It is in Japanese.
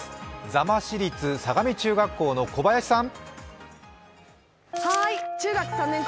座間市立相模中学校の小林さん。